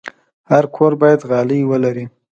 هر کور باید غالۍ ولري.